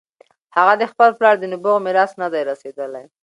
هغه د خپل پلار د نبوغ میراث نه دی رسېدلی.